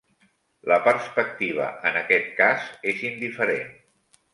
La perspectiva en aquest cas és indiferent.